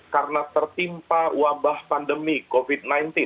karena tertimpa wabah pandemi covid sembilan belas